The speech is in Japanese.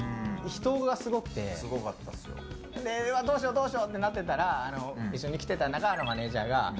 で、どうしようってなってたら一緒に来てた中原マネジャーが。